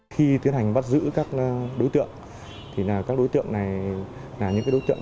khi tiến hành bắt giữ các đối tượng thì các đối tượng này là những đối tượng